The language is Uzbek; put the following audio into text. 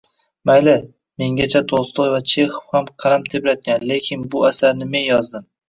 Mayli, mengacha Tolstoy va Chexov ham qalam tebratgan, lekin bu asarni men yozdim